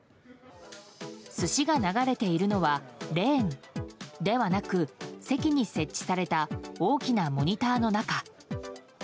寿司が流れているのはレーンではなく席に設置された大きなモニターの中。